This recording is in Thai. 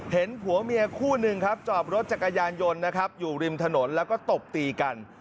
ผัวเมียคู่หนึ่งครับจอบรถจักรยานยนต์นะครับอยู่ริมถนนแล้วก็ตบตีกัน